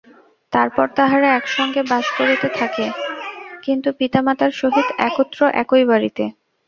তারপর তাহারা একসঙ্গে বাস করিতে থাকে, কিন্তু পিতামাতার সহিত একত্র একই বাড়িতে।